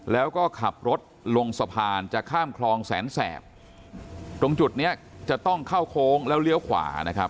แล้วก็ขับรถลงสะพานจะข้ามคลองแสนแสบตรงจุดเนี้ยจะต้องเข้าโค้งแล้วเลี้ยวขวานะครับ